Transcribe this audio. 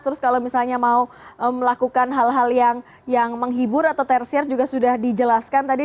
terus kalau misalnya mau melakukan hal hal yang menghibur atau tersiar juga sudah dijelaskan tadi